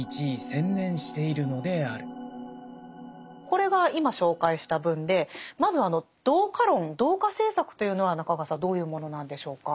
これが今紹介した文でまずあの同化論同化政策というのは中川さんどういうものなんでしょうか。